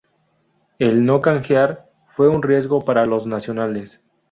El "no canjear" fue un riesgo para los Nacionales.